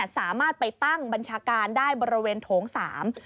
สามารถไปตั้งบัญชาการได้บริเวณโถงสาม